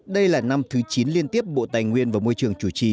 đây là năm thứ chín liên tiếp bộ tài nguyên và môi trường chủ trì